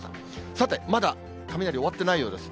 さて、まだ雷終わってないようです。